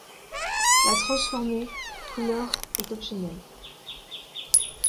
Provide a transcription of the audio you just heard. La transformée couleur est optionnelle.